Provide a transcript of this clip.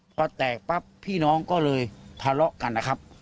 พอแตกปั๊บพี่น้องก็เลยทะเลาะกันนะครับ